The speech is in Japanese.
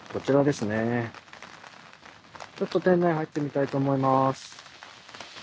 ちょっと店内入ってみたいと思います。